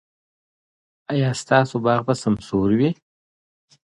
ایا ستاسو باغ به سمسور وي؟